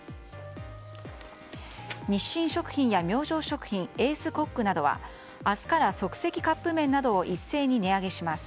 日清食品や明星食品エースコックなどは明日から、即席カップ麺などを一斉に値上げします。